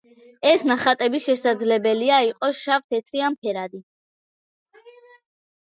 ეს ნახატები შესაძლებელია იყოს შავ-თეთრი ან ფერადი.